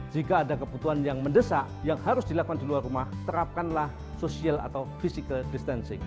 jika ada kebutuhan yang mendesak yang harus dilakukan di luar rumah terapkanlah social atau physical distancing